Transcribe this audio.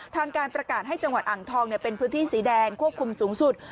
ทางการประกาศให้จังหวัดอ่างทองเป็นพื้นที่สีแดงควบคุมสูงสุด